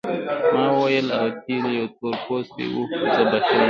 ما وویل اوتیلو یو تور پوستی وو خو زه بخیل نه یم.